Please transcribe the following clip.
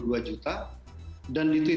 di jejaring facebook indonesia